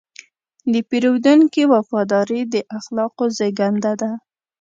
د پیرودونکي وفاداري د اخلاقو زېږنده ده.